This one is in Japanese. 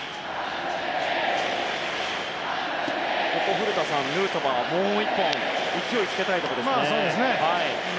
古田さん、ヌートバーはもう１本勢いをつけたいところですね。